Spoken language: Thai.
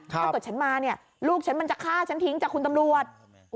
ถ้าเกิดฉันมาเนี่ยลูกฉันมันจะฆ่าฉันทิ้งจากคุณตำรวจ